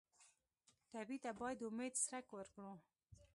ټپي ته باید د امید څرک ورکړو.